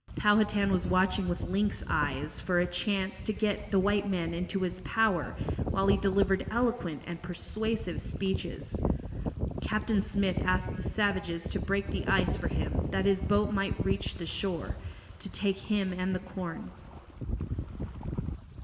Powhatan was watching with lynx eyes for a chance to get the white men into his power while he delivered eloquent and persuasive speeches. Captain Smith asked the savages to break the ice for him that his boat might reach the shore, to take him and the corn.